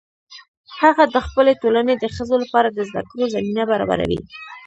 هغه د خپلې ټولنې د ښځو لپاره د زده کړو زمینه برابروي